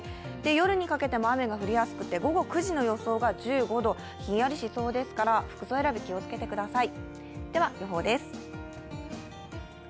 夜にかけても雨が降りやすくて午後９時の予想が１５度、ひんやりしそうですから服装選び、気をつけてください。